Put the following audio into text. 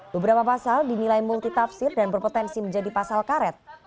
beberapa pasal dinilai multitafsir dan berpotensi menjadi pasal karet